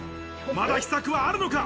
まだ秘策はあるのか？